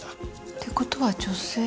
って事は女性？